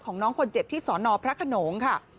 น้องคนเจ็บที่สอนอพระขนงค่ะ